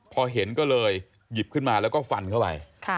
พอเห็นก็เลยหยิบขึ้นมาแล้วก็ฟันเข้าไป